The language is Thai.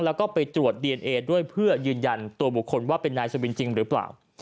แล้วก็ไปตรวจดีเอนเอด้วยเพื่อยืนยันตัวบุคคลว่าเป็นนายสบินจริงหรือเปล่า